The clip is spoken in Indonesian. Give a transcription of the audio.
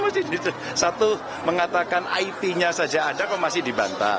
masih satu mengatakan it nya saja ada kok masih dibantah